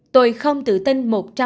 tôi không tự tin một trăm linh